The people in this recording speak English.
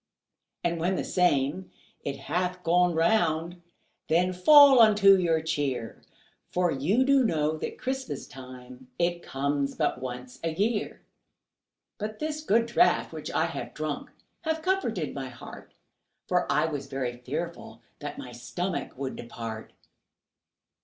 And when the same it hath gone round Then fall unto your cheer, For you do know that Christmas time It comes but once a year. But this good draught which I have drunk Hath comforted my heart, For I was very fearful that My stomach would depart.